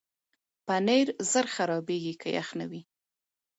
پنېر ژر خرابېږي که یخ نه وي.